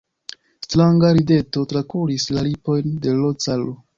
Stranga rideto trakuris la lipojn de l' caro.